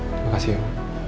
terima kasih om